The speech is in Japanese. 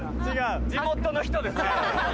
地元の人ですね。